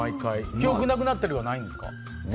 記憶なくなったりはないんですか？